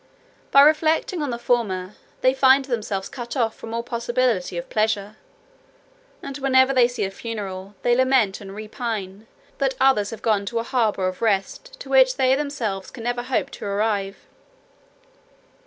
By reflecting on the former, they find themselves cut off from all possibility of pleasure; and whenever they see a funeral, they lament and repine that others have gone to a harbour of rest to which they themselves never can hope to arrive.